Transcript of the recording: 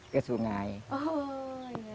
ke sungai oh